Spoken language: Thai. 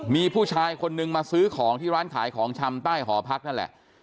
มีผู้ชายคนนึงมาซื้อของที่ร้านขายของชำใต้หอพักนั่นแหละ